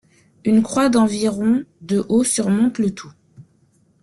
Une croix d'environ de haut surmonte le tout.